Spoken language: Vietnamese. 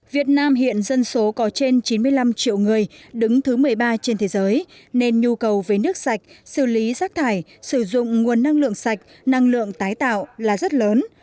việt nam hiện dân số có trên chín mươi năm triệu người đứng thứ một mươi ba trên thế giới nên nhu cầu về nước sạch xử lý rác thải sử dụng nguồn năng lượng sạch năng lượng tái tạo là rất lớn